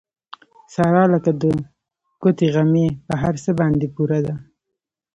ساره لکه د ګوتې غمی په هر څه باندې پوره ده.